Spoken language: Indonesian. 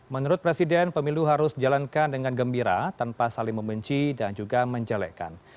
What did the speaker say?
menurut presiden pemilu harus dijalankan dengan gembira tanpa saling membenci dan juga menjelekkan